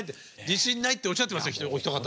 自信ないっておっしゃってますよお一方。